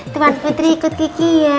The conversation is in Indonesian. tuan putri ikut gigi ya